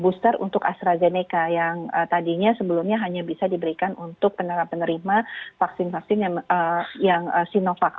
booster untuk astrazeneca yang tadinya sebelumnya hanya bisa diberikan untuk penerima penerima vaksin vaksin yang sinovac